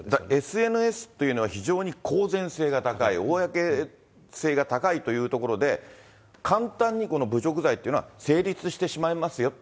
ＳＮＳというのは、非常に公然性が高い、公性が高いというところで、簡単に侮辱罪というのは成立してしまいますよと。